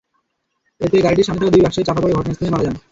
এতে গাড়িটির সামনে থাকা দুই ব্যবসায়ী চাপা পড়ে ঘটনাস্থলেই মারা যান।